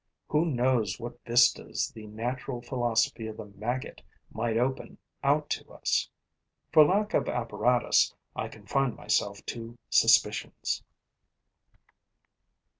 Who knows what vistas the natural philosophy of the maggot might open out to us? For lack of apparatus, I confine myself to suspicions.